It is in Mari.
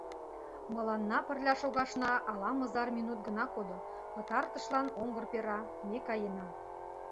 Мыланна пырля шогашна ала-мызар минут гына кодо: пытартышлан оҥгыр пера — ме каена.